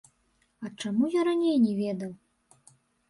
А чаму я раней не ведаў?